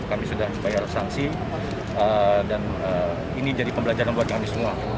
kami sudah bayar sanksi dan ini jadi pembelajaran buat kami semua